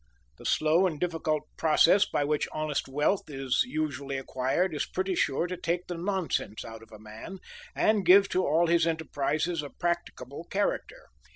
The slow and difficult process by which honest wealth is usually acquired is pretty sure to "take the nonsense out of a man," and give to all his enterprises a practicable character.